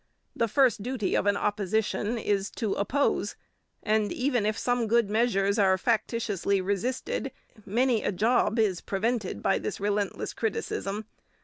The first duty of an Opposition is to oppose, and even if some good measures are factitiously resisted, many a 'job' is prevented by this relentless criticism.